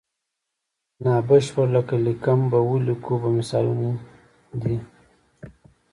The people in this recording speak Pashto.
نا بشپړ لکه لیکم به او لیکو به مثالونه دي.